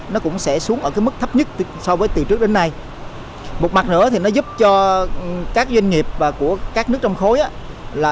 nó cũng sẽ xuống ở cái mức thấp nhất so với từ trước đến nay một mặt nữa thì nó giúp cho các doanh nghiệp